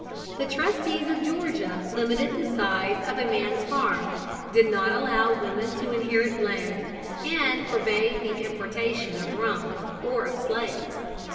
The trustees of Georgia limited the size of a man's farm, did not allow women to inherit land, and forbade the importation of rum or of slaves.